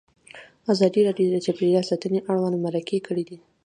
ازادي راډیو د چاپیریال ساتنه اړوند مرکې کړي.